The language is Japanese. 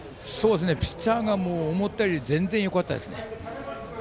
ピッチャーが思ったより全然よかったです。